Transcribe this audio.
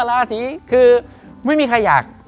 ราศีคือไม่มีใครอยาก